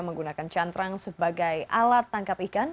menggunakan cantrang sebagai alat tangkap ikan